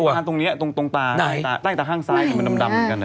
มันมีปานตรงนี้ตรงตาใต้ตะข้างซ้ายมันดำเหมือนกัน